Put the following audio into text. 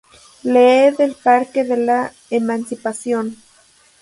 Lee del Parque de la Emancipación.